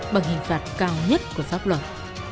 bằng hình phạt cao nhất của pháp luật